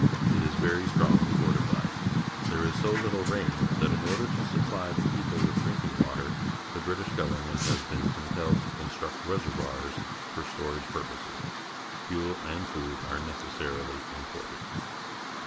It is very strongly fortified. There is so little rain that, in order to supply the people with drinking water, the British government has been compelled to construct reservoirs for storage purposes. Fuel and food are necessarily imported.